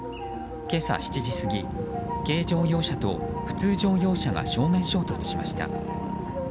今朝７時過ぎ、軽乗用車と普通乗用車が正面衝突しました。